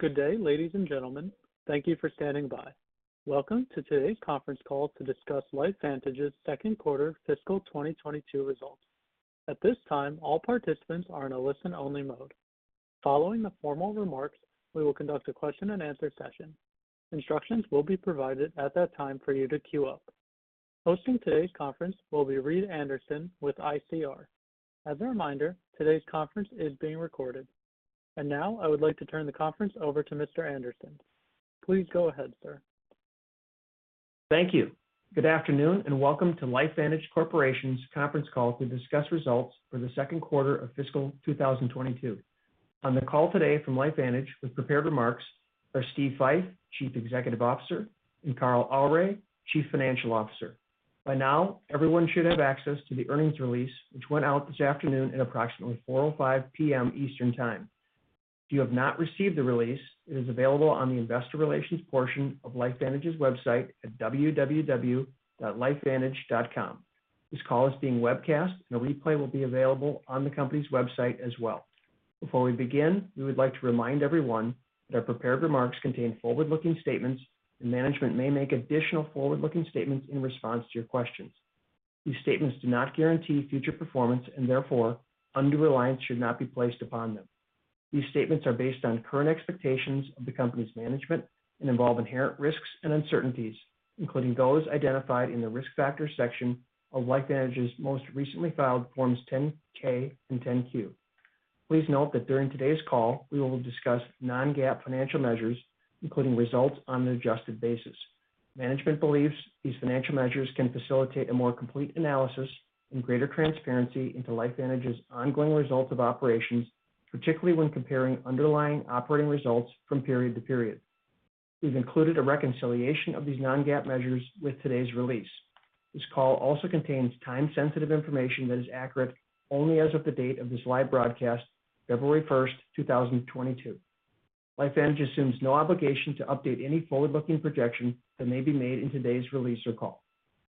Good day, ladies and gentlemen. Thank you for standing by. Welcome to today's conference call to discuss LifeVantage's second quarter fiscal 2022 results. At this time, all participants are in a listen only mode. Following the formal remarks, we will conduct a question and answer session. Instructions will be provided at that time for you to queue up. Hosting today's conference will be Reed Anderson with ICR. As a reminder, today's conference is being recorded. Now I would like to turn the conference over to Mr. Anderson. Please go ahead, sir. Thank you. Good afternoon, and welcome to LifeVantage Corporation's conference call to discuss results for the second quarter of fiscal 2022. On the call today from LifeVantage with prepared remarks are Steve Fife, Chief Executive Officer, and Carl Aure, Chief Financial Officer. By now, everyone should have access to the earnings release, which went out this afternoon at approximately 4:05 P.M. Eastern Time. If you have not received the release, it is available on the investor relations portion of LifeVantage's website at www.lifevantage.com. This call is being webcast, and a replay will be available on the company's website as well. Before we begin, we would like to remind everyone that our prepared remarks contain forward-looking statements, and management may make additional forward-looking statements in response to your questions. These statements do not guarantee future performance, and therefore undue reliance should not be placed upon them. These statements are based on current expectations of the company's management and involve inherent risks and uncertainties, including those identified in the Risk Factors section of LifeVantage's most recently filed Forms 10-K and 10-Q. Please note that during today's call, we will discuss non-GAAP financial measures, including results on an adjusted basis. Management believes these financial measures can facilitate a more complete analysis and greater transparency into LifeVantage's ongoing results of operations, particularly when comparing underlying operating results from period to period. We've included a reconciliation of these non-GAAP measures with today's release. This call also contains time-sensitive information that is accurate only as of the date of this live broadcast, February 1, 2022. LifeVantage assumes no obligation to update any forward-looking projections that may be made in today's release or call.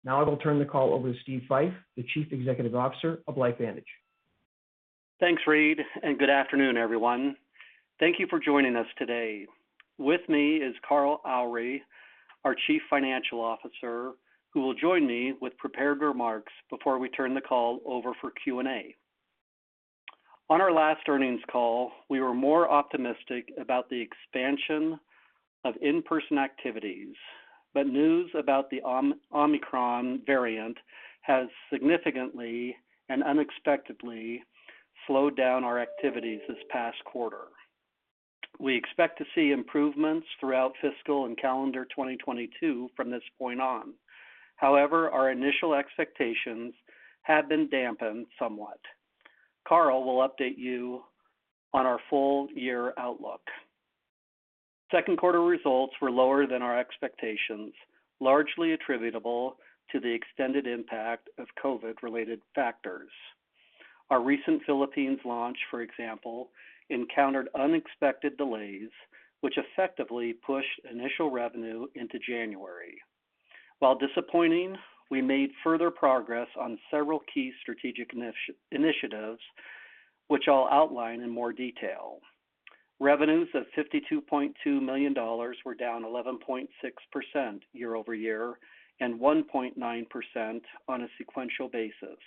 Now I will turn the call over to Steve Fife, the Chief Executive Officer of LifeVantage. Thanks, Reed, and good afternoon, everyone. Thank you for joining us today. With me is Carl Aure, our Chief Financial Officer, who will join me with prepared remarks before we turn the call over for Q&A. On our last earnings call, we were more optimistic about the expansion of in-person activities, but news about the Omicron variant has significantly and unexpectedly slowed down our activities this past quarter. We expect to see improvements throughout fiscal and calendar 2022 from this point on. However, our initial expectations have been dampened somewhat. Carl will update you on our full year outlook. Second quarter results were lower than our expectations, largely attributable to the extended impact of COVID related factors. Our recent Philippines launch, for example, encountered unexpected delays which effectively pushed initial revenue into January. While disappointing, we made further progress on several key strategic initiatives which I'll outline in more detail. Revenues of $52.2 million were down 11.6% year-over-year and 1.9% on a sequential basis.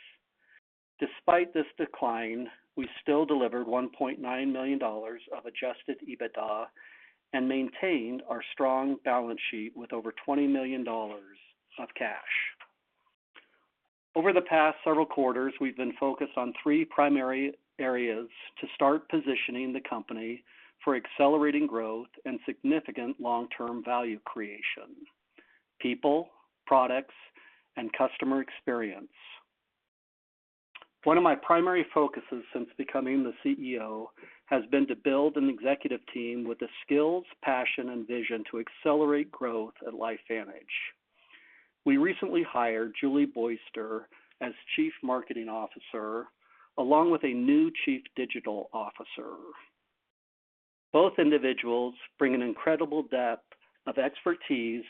Despite this decline, we still delivered $1.9 million of adjusted EBITDA and maintained our strong balance sheet with over $20 million of cash. Over the past several quarters, we've been focused on three primary areas to start positioning the company for accelerating growth and significant long-term value creation. People, products, and customer experience. One of my primary focuses since becoming the CEO has been to build an executive team with the skills, passion, and vision to accelerate growth at LifeVantage. We recently hired Julie Boyster as Chief Marketing Officer, along with a new Chief Digital Officer. Both individuals bring an incredible depth of expertise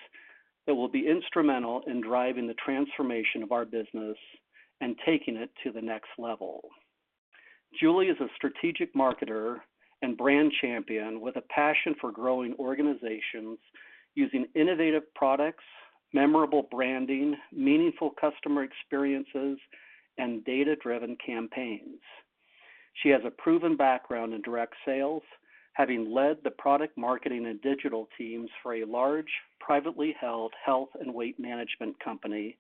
that will be instrumental in driving the transformation of our business and taking it to the next level. Julie is a strategic marketer and brand champion with a passion for growing organizations using innovative products, memorable branding, meaningful customer experiences, and data-driven campaigns. She has a proven background in direct sales, having led the product marketing and digital teams for a large, privately held health and weight management company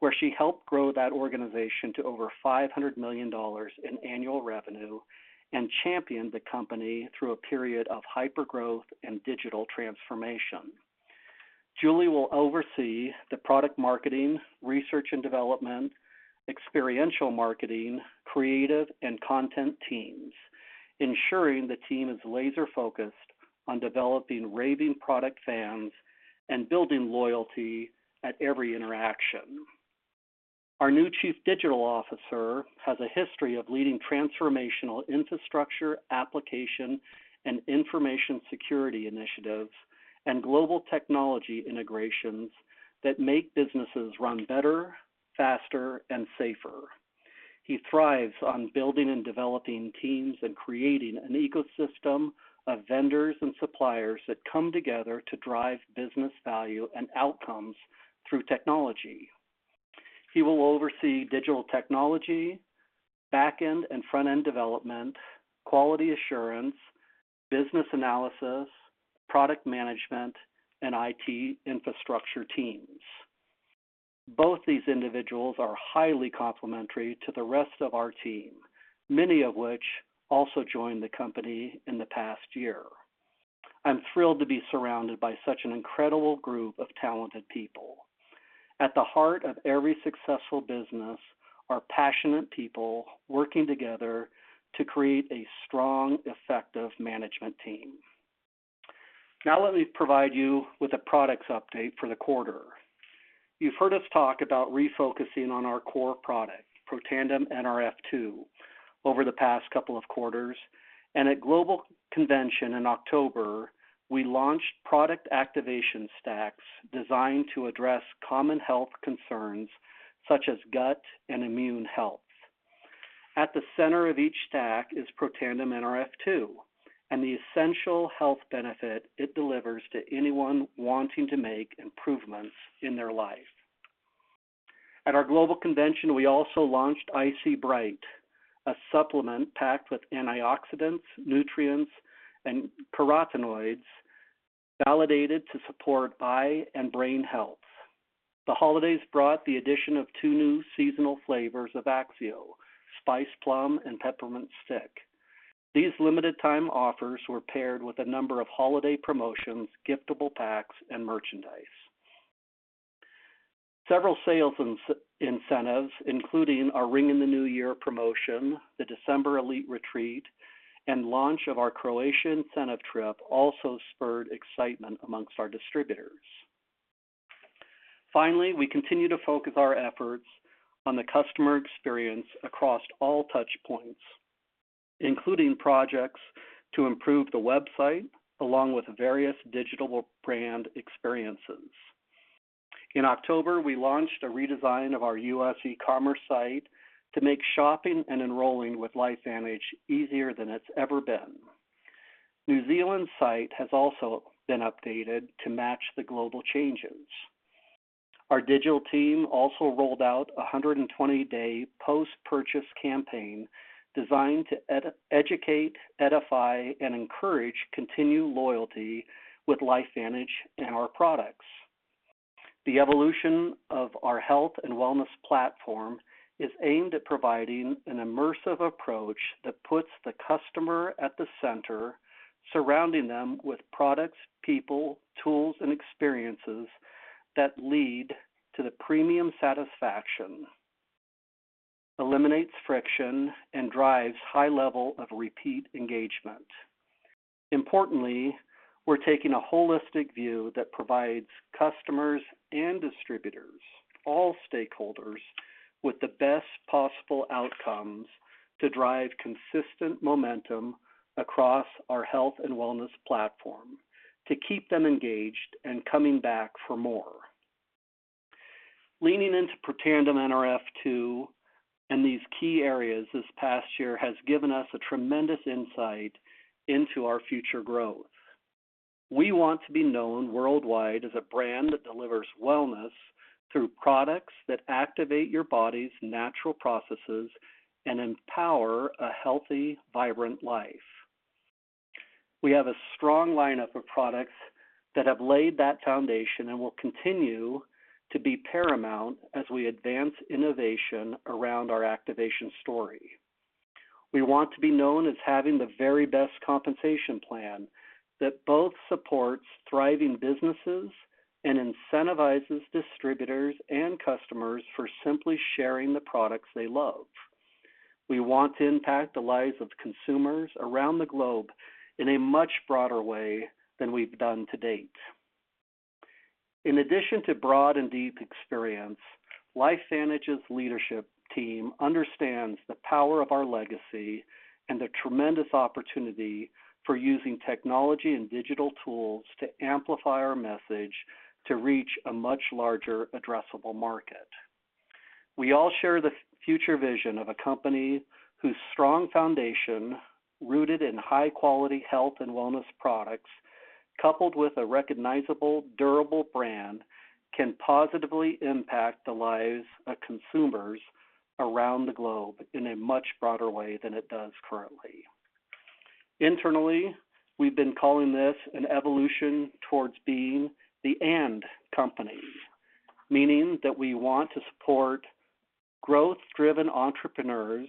where she helped grow that organization to over $500 million in annual revenue and championed the company through a period of hypergrowth and digital transformation. Julie will oversee the product marketing, research and development, experiential marketing, creative, and content teams, ensuring the team is laser focused on developing raving product fans and building loyalty at every interaction. Our new Chief Digital Officer has a history of leading transformational infrastructure, application, and information security initiatives and global technology integrations that make businesses run better, faster, and safer. He thrives on building and developing teams and creating an ecosystem of vendors and suppliers that come together to drive business value and outcomes through technology. He will oversee digital technology, back-end and front-end development, quality assurance, business analysis, product management, and IT infrastructure teams. Both these individuals are highly complementary to the rest of our team, many of which also joined the company in the past year. I'm thrilled to be surrounded by such an incredible group of talented people. At the heart of every successful business are passionate people working together to create a strong, effective management team. Now let me provide you with a products update for the quarter. You've heard us talk about refocusing on our core product, Protandim Nrf2, over the past couple of quarters. At Global Convention in October, we launched product activation stacks designed to address common health concerns such as gut and immune health. At the center of each stack is Protandim Nrf2 and the essential health benefit it delivers to anyone wanting to make improvements in their life. At our Global Convention, we also launched IC Bright, a supplement packed with antioxidants, nutrients, and carotenoids validated to support eye and brain health. The holidays brought the addition of two new seasonal flavors of AXIO, Spiced Plum and Peppermint Stick. These limited time offers were paired with a number of holiday promotions, giftable packs, and merchandise. Several sales incentives, including our Ring in the New Year promotion, the December Elite Retreat, and launch of our Croatia incentive trip also spurred excitement among our distributors. Finally, we continue to focus our efforts on the customer experience across all touch points, including projects to improve the website along with various digital brand experiences. In October, we launched a redesign of our U.S. e-commerce site to make shopping and enrolling with LifeVantage easier than it's ever been. New Zealand's site has also been updated to match the global changes. Our digital team also rolled out a 120-day post-purchase campaign designed to educate, edify, and encourage continued loyalty with LifeVantage and our products. The evolution of our health and wellness platform is aimed at providing an immersive approach that puts the customer at the center, surrounding them with products, people, tools, and experiences that lead to the premium satisfaction, eliminates friction, and drives high level of repeat engagement. Importantly, we're taking a holistic view that provides customers and distributors, all stakeholders, with the best possible outcomes to drive consistent momentum across our health and wellness platform to keep them engaged and coming back for more. Leaning into Protandim Nrf2 and these key areas this past year has given us a tremendous insight into our future growth. We want to be known worldwide as a brand that delivers wellness through products that activate your body's natural processes and empower a healthy, vibrant life. We have a strong lineup of products that have laid that foundation and will continue to be paramount as we advance innovation around our activation story. We want to be known as having the very best compensation plan that both supports thriving businesses and incentivizes distributors and customers for simply sharing the products they love. We want to impact the lives of consumers around the globe in a much broader way than we've done to date. In addition to broad and deep experience, LifeVantage's leadership team understands the power of our legacy and the tremendous opportunity for using technology and digital tools to amplify our message to reach a much larger addressable market. We all share the future vision of a company whose strong foundation, rooted in high quality health and wellness products, coupled with a recognizable, durable brand, can positively impact the lives of consumers around the globe in a much broader way than it does currently. Internally, we've been calling this an evolution towards being the "and" company, meaning that we want to support growth-driven entrepreneurs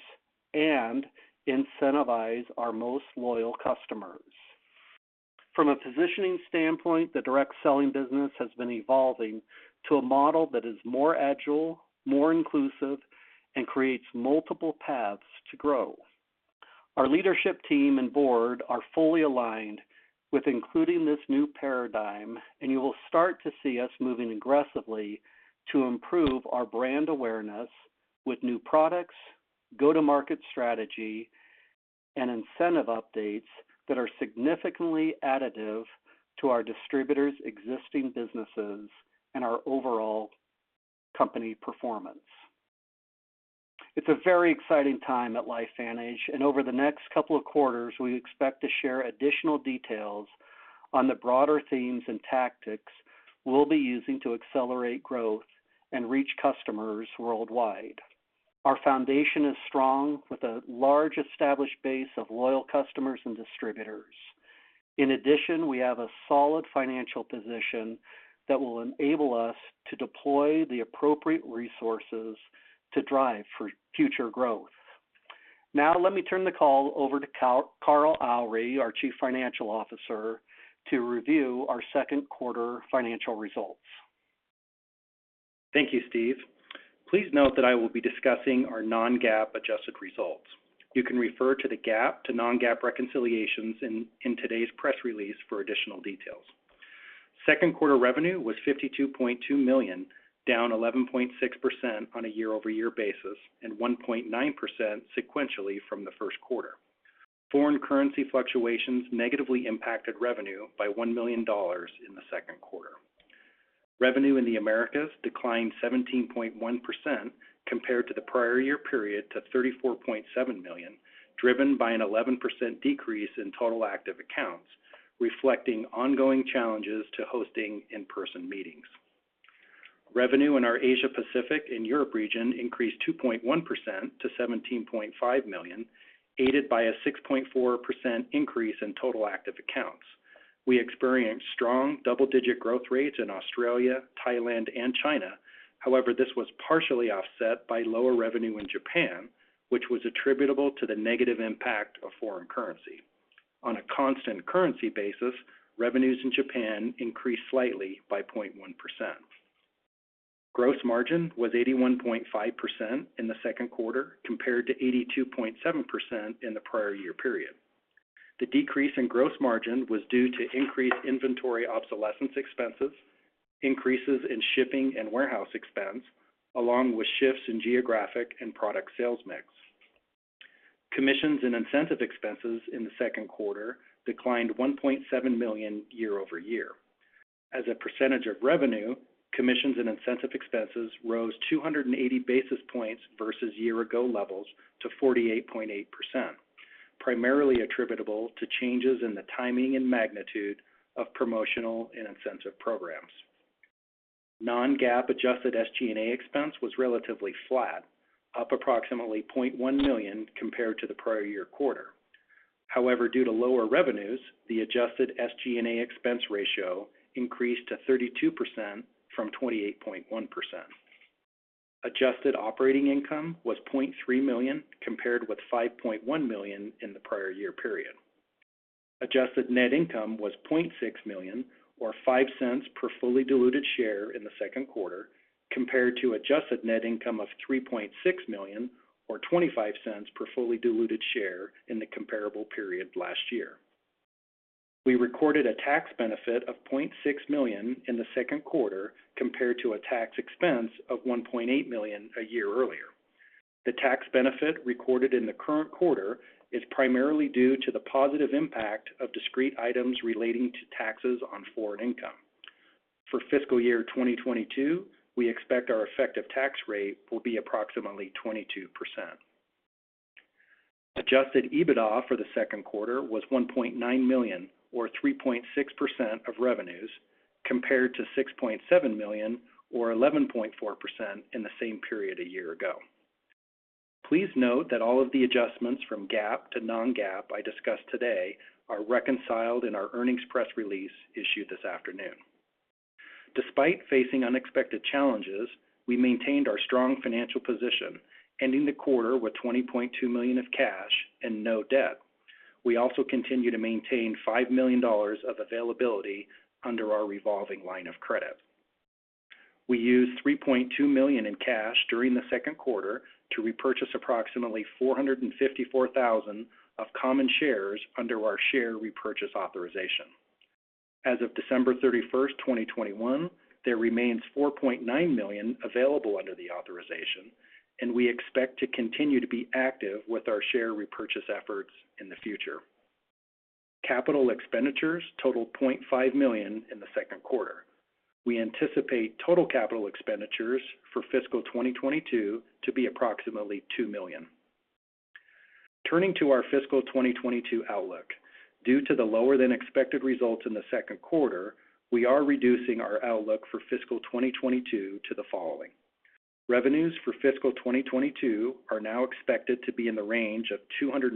and incentivize our most loyal customers. From a positioning standpoint, the direct selling business has been evolving to a model that is more agile, more inclusive, and creates multiple paths to grow. Our leadership team and board are fully aligned with including this new paradigm, and you will start to see us moving aggressively to improve our brand awareness with new products, go-to-market strategy and incentive updates that are significantly additive to our distributors' existing businesses and our overall company performance. It's a very exciting time at LifeVantage, and over the next couple of quarters, we expect to share additional details on the broader themes and tactics we'll be using to accelerate growth and reach customers worldwide. Our foundation is strong with a large established base of loyal customers and distributors. In addition, we have a solid financial position that will enable us to deploy the appropriate resources to drive for future growth. Now let me turn the call over to Carl Aure, our Chief Financial Officer, to review our second quarter financial results. Thank you, Steve. Please note that I will be discussing our non-GAAP adjusted results. You can refer to the GAAP to non-GAAP reconciliations in today's press release for additional details. Second quarter revenue was $52.2 million, down 11.6% on a year-over-year basis, and 1.9% sequentially from the first quarter. Foreign currency fluctuations negatively impacted revenue by $1 million in the second quarter. Revenue in the Americas declined 17.1% compared to the prior year period to $34.7 million, driven by an 11% decrease in total active accounts, reflecting ongoing challenges to hosting in-person meetings. Revenue in our Asia Pacific and Europe region increased 2.1% to $17.5 million, aided by a 6.4% increase in total active accounts. We experienced strong double-digit growth rates in Australia, Thailand, and China. However, this was partially offset by lower revenue in Japan, which was attributable to the negative impact of foreign currency. On a constant currency basis, revenues in Japan increased slightly by 0.1%. Gross margin was 81.5% in the second quarter compared to 82.7% in the prior year period. The decrease in gross margin was due to increased inventory obsolescence expenses, increases in shipping and warehouse expense, along with shifts in geographic and product sales mix. Commissions and incentive expenses in the second quarter declined $1.7 million year over year. As a percentage of revenue, commissions and incentive expenses rose 280 basis points versus year ago levels to 48.8%, primarily attributable to changes in the timing and magnitude of promotional and incentive programs. non-GAAP adjusted SG&A expense was relatively flat, up approximately $0.1 million compared to the prior year quarter. However, due to lower revenues, the adjusted SG&A expense ratio increased to 32% from 28.1%. Adjusted operating income was $0.3 million compared with $5.1 million in the prior year period. Adjusted net income was $0.6 million or $0.05 per fully diluted share in the second quarter compared to adjusted net income of $3.6 million or $0.25 per fully diluted share in the comparable period last year. We recorded a tax benefit of $0.6 million in the second quarter compared to a tax expense of $1.8 million a year earlier. The tax benefit recorded in the current quarter is primarily due to the positive impact of discrete items relating to taxes on foreign income. For fiscal year 2022, we expect our effective tax rate will be approximately 22%. Adjusted EBITDA for the second quarter was $1.9 million or 3.6% of revenues compared to $6.7 million or 11.4% in the same period a year ago. Please note that all of the adjustments from GAAP to non-GAAP I discussed today are reconciled in our earnings press release issued this afternoon. Despite facing unexpected challenges, we maintained our strong financial position, ending the quarter with $20.2 million of cash and no debt. We also continue to maintain $5 million of availability under our revolving line of credit. We used $3.2 million in cash during the second quarter to repurchase approximately 454,000 of common shares under our share repurchase authorization. As of December 31st, 2021, there remains $4.9 million available under the authorization, and we expect to continue to be active with our share repurchase efforts in the future. Capital expenditures totaled $0.5 million in the second quarter. We anticipate total capital expenditures for fiscal 2022 to be approximately $2 million. Turning to our fiscal 2022 outlook. Due to the lower than expected results in the second quarter, we are reducing our outlook for fiscal 2022 to the following. Revenues for fiscal 2022 are now expected to be in the range of $212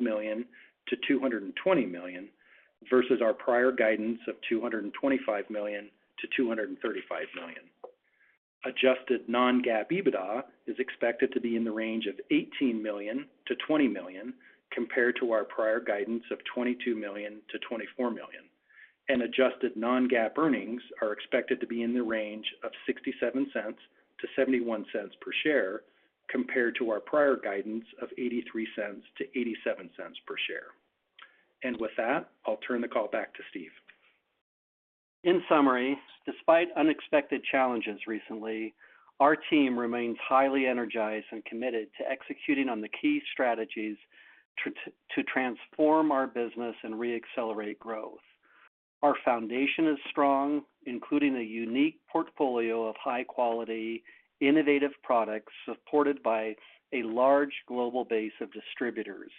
million-$220 million versus our prior guidance of $225 million-$235 million. Adjusted non-GAAP EBITDA is expected to be in the range of $18 million-$20 million compared to our prior guidance of $22 million-$24 million. Adjusted non-GAAP earnings are expected to be in the range of $0.67-$0.71 per share compared to our prior guidance of $0.83-$0.87 per share. With that, I'll turn the call back to Steve. In summary, despite unexpected challenges recently, our team remains highly energized and committed to executing on the key strategies to transform our business and re-accelerate growth. Our foundation is strong, including a unique portfolio of high quality, innovative products supported by a large global base of distributors.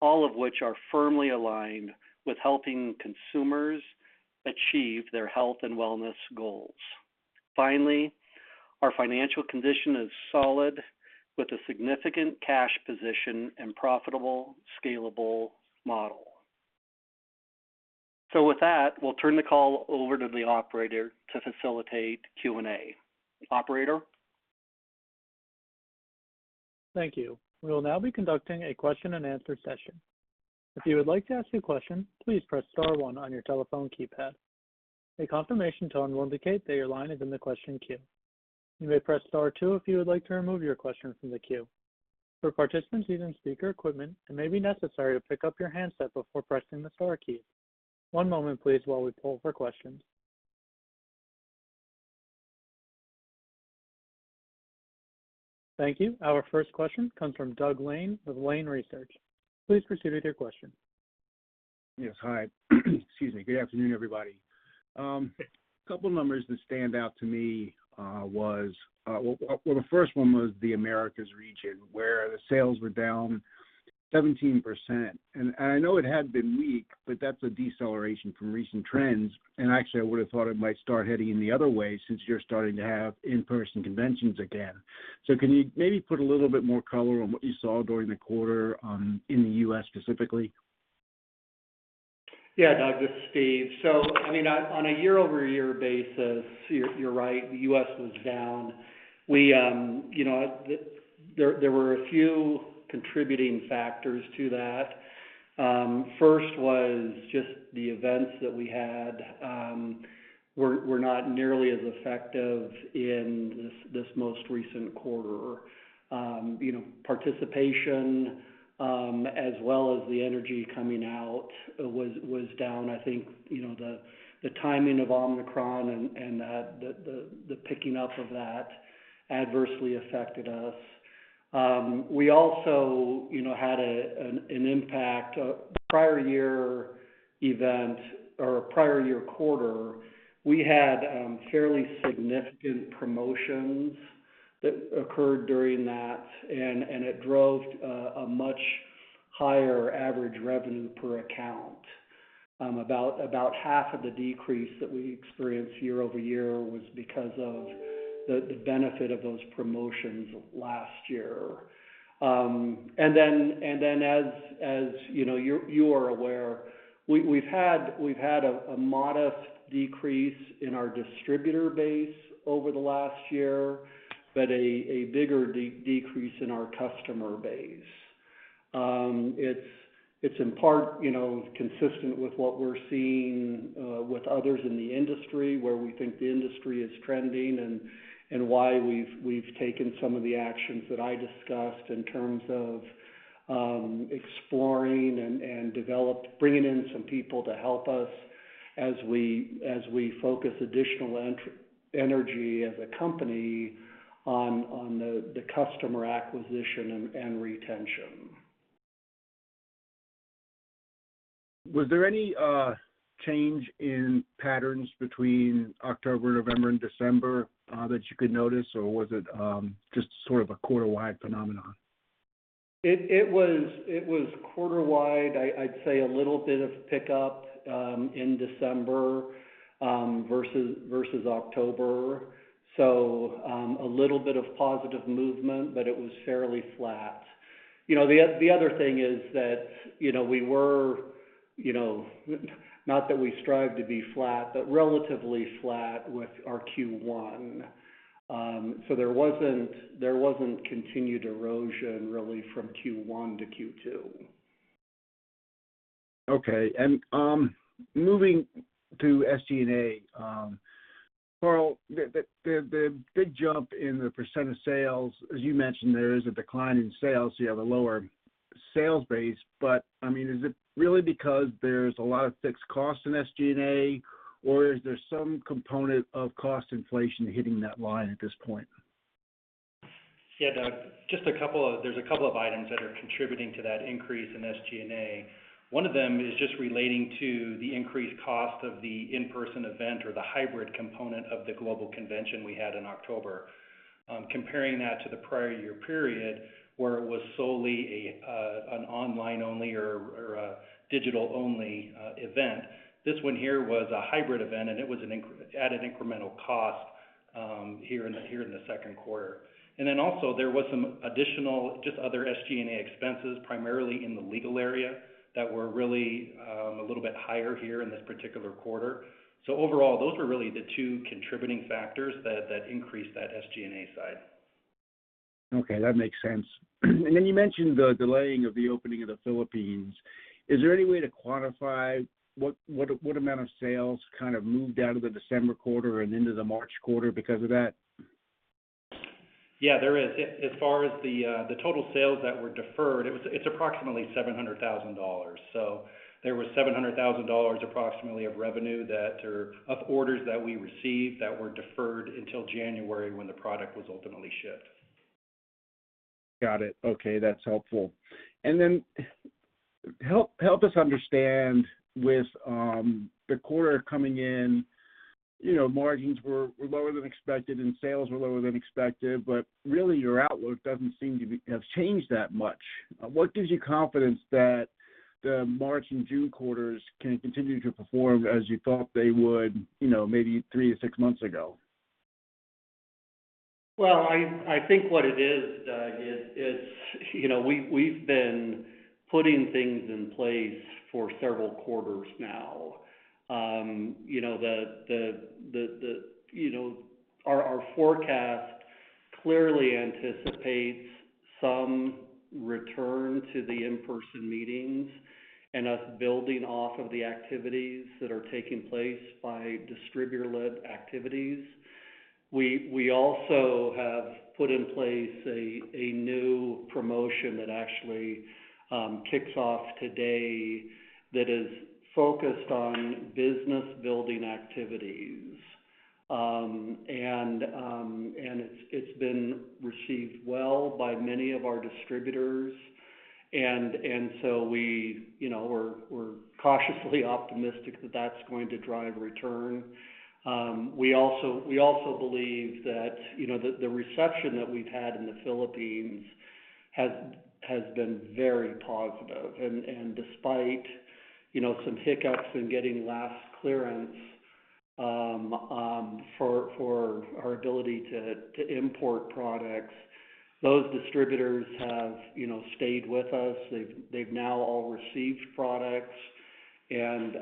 All of which are firmly aligned with helping consumers achieve their health and wellness goals. Finally, our financial condition is solid with a significant cash position and profitable scalable model. With that, we'll turn the call over to the operator to facilitate Q&A. Operator? Thank you. We will now be conducting a question and answer session. If you would like to ask a question, please press star one on your telephone keypad. A confirmation tone will indicate that your line is in the question queue. You may press star two if you would like to remove your question from the queue. For participants using speaker equipment, it may be necessary to pick up your handset before pressing the star key. One moment please while we poll for questions. Thank you. Our first question comes from Doug Lane with Lane Research. Please proceed with your question. Yes. Hi. Excuse me. Good afternoon, everybody. A couple numbers that stand out to me, well, the first one was the Americas region, where the sales were down 17%. I know it had been weak, but that's a deceleration from recent trends. Actually, I would have thought it might start heading in the other way since you're starting to have in-person conventions again. Can you maybe put a little bit more color on what you saw during the quarter in the U.S. specifically? Yeah, Doug, this is Steve. I mean, on a year-over-year basis, you're right. The U.S. was down. There were a few contributing factors to that. First was just the events that we had were not nearly as effective in this most recent quarter. The timing of Omicron and the picking up of that adversely affected us. We also had an impact. The prior year event or prior year quarter, we had fairly significant promotions that occurred during that, and it drove a much higher average revenue per account. About half of the decrease that we experienced year-over-year was because of the benefit of those promotions last year. Then as you know, you are aware, we've had a modest decrease in our distributor base over the last year, but a bigger decrease in our customer base. It's in part, you know, consistent with what we're seeing with others in the industry where we think the industry is trending and why we've taken some of the actions that I discussed in terms of bringing in some people to help us as we focus additional energy as a company on the customer acquisition and retention. Was there any change in patterns between October, November, and December that you could notice, or was it just sort of a quarter wide phenomenon? It was quarter wide. I'd say a little bit of pickup in December versus October. A little bit of positive movement, but it was fairly flat. You know, the other thing is that, you know, we were, you know, not that we strive to be flat, but relatively flat with our Q1. There wasn't continued erosion really from Q1 to Q2. Okay. Moving to SG&A, Carl, the big jump in the percentage of sales, as you mentioned, there is a decline in sales, so you have a lower sales base. I mean, is it really because there's a lot of fixed costs in SG&A, or is there some component of cost inflation hitting that line at this point? Yeah, Doug, there's a couple of items that are contributing to that increase in SG&A. One of them is just relating to the increased cost of the in-person event or the hybrid component of the Global Convention we had in October. Comparing that to the prior year period where it was solely an online only or a digital only event. This one here was a hybrid event, and it was an added incremental cost here in the second quarter. Then also there was some additional just other SG&A expenses, primarily in the legal area, that were really a little bit higher here in this particular quarter. Overall, those were really the two contributing factors that increased that SG&A side. Okay, that makes sense. You mentioned the delaying of the opening of the Philippines. Is there any way to quantify what amount of sales kind of moved out of the December quarter and into the March quarter because of that? Yeah, there is. As far as the total sales that were deferred, it's approximately $700,000. There was $700,000 approximately of revenue that are of orders that we received that were deferred until January when the product was ultimately shipped. Got it. Okay, that's helpful. Help us understand with the quarter coming in, you know, margins were lower than expected and sales were lower than expected, but really your outlook doesn't seem to have changed that much. What gives you confidence that the March and June quarters can continue to perform as you thought they would, you know, maybe three to six months ago? Well, I think what it is, you know, we've been putting things in place for several quarters now. Our forecast clearly anticipates some return to the in-person meetings and us building off of the activities that are taking place by distributor-led activities. We also have put in place a new promotion that actually kicks off today that is focused on business building activities. It's been received well by many of our distributors. We're cautiously optimistic that that's going to drive return. We also believe that, you know, the reception that we've had in the Philippines has been very positive. Despite, you know, some hiccups in getting last clearance for our ability to import products, those distributors have, you know, stayed with us. They've now all received products and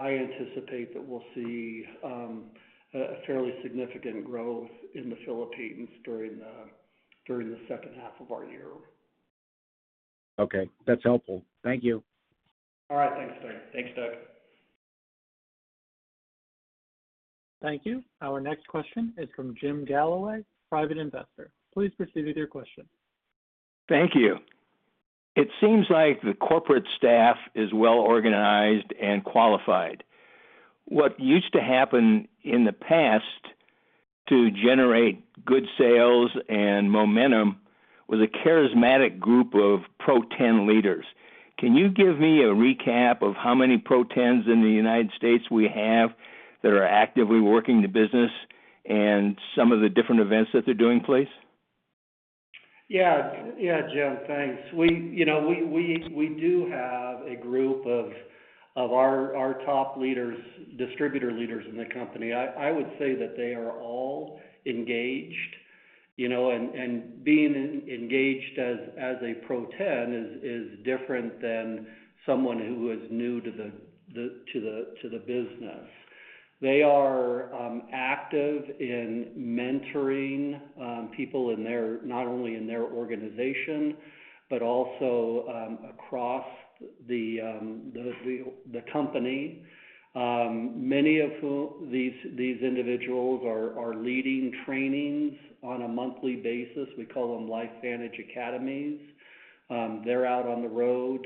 I anticipate that we'll see a fairly significant growth in the Philippines during the second half of our year. Okay. That's helpful. Thank you. All right. Thanks, Doug. Thank you. Our next question is from Jim Galloway, Private Investor. Please proceed with your question. Thank you. It seems like the corporate staff is well organized and qualified. What used to happen in the past to generate good sales and momentum was a charismatic group of Pro 10 leaders. Can you give me a recap of how many Pro 10s in the United States we have that are actively working the business and some of the different events that they're doing, please? Yeah. Yeah, Jim, thanks. You know, we do have a group of our top leaders, distributor leaders in the company. I would say that they are all engaged, you know, and being engaged as a Pro 10 is different than someone who is new to the business. They are active in mentoring people in their organization, not only in their organization, but also across the company. These individuals are leading trainings on a monthly basis. We call them LifeVantage Academy. They're out on the road,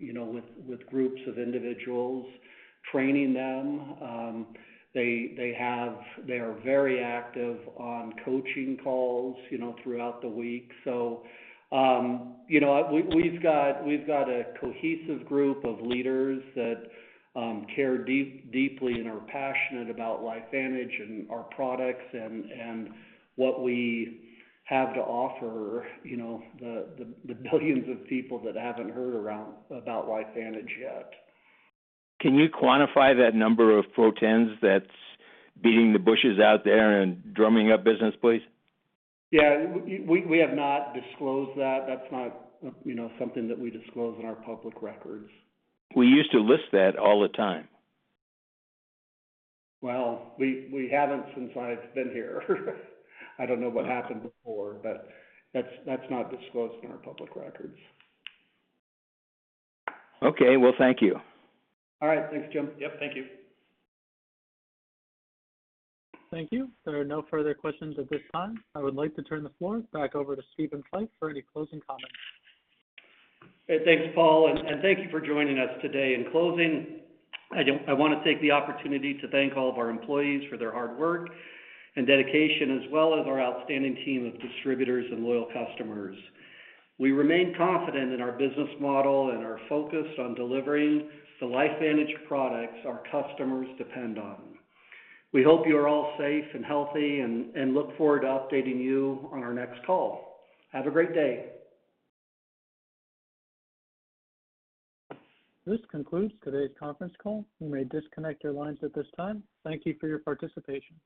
you know, with groups of individuals, training them. They are very active on coaching calls, you know, throughout the week. You know, we've got a cohesive group of leaders that care deeply and are passionate about LifeVantage and our products and what we have to offer, you know, the billions of people that haven't heard about LifeVantage yet. Can you quantify that number of Pro 10s that's beating the bushes out there and drumming up business, please? Yeah. We have not disclosed that. That's not, you know, something that we disclose in our public records. We used to list that all the time. Well, we haven't since I've been here. I don't know what happened before, but that's not disclosed in our public records. Okay. Well, thank you. All right. Thanks, Jim. Yep, thank you. Thank you. There are no further questions at this time. I would like to turn the floor back over to Steve Fife for any closing comments. Hey, thanks, Paul, and thank you for joining us today. In closing, I wanna take the opportunity to thank all of our employees for their hard work and dedication, as well as our outstanding team of distributors and loyal customers. We remain confident in our business model and our focus on delivering the LifeVantage products our customers depend on. We hope you are all safe and healthy and look forward to updating you on our next call. Have a great day. This concludes today's conference call. You may disconnect your lines at this time. Thank you for your participation.